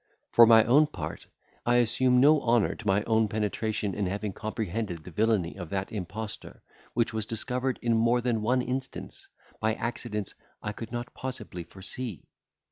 For my own part, I assume no honour to my own penetration in having comprehended the villany of that impostor, which was discovered, in more than one instance, by accidents I could not possibly foresee.